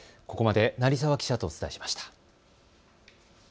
ここまで成澤記者とお伝えしました。